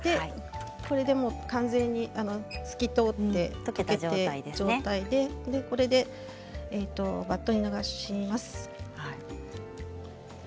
これで完全に透き通って溶けた状態でこれでバットに流します。